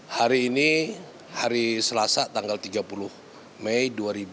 hari ini hari selasa tanggal tiga puluh mei dua ribu dua puluh